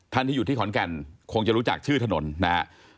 ที่อยู่ที่ขอนแก่นคงจะรู้จักชื่อถนนนะครับ